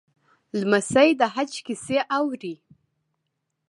لمسی د حج کیسې اوري.